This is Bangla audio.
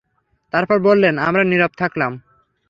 তারপর বললেন, আমরা নীরব থাকলাম।